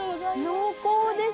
濃厚です。